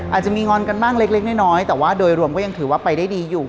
อาจจะมีงอนกันบ้างเล็กน้อยแต่ว่าโดยรวมก็ยังถือว่าไปได้ดีอยู่